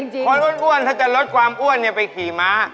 เพราะอ้วนถ้าจะลดความอ้วนไปขี่ม้า